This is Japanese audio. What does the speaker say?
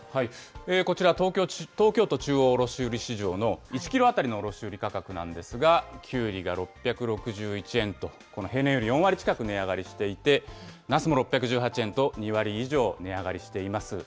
こちら、東京都中央卸売市場の１キロ当たりの卸売り価格なんですが、きゅうりが６６１円と、平年より４割近く値上がりしていて、なすも６１８円と、２割以上値上がりしています。